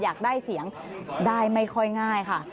อยากได้เสียงได้ไม่ค่อยง่ายค่ะ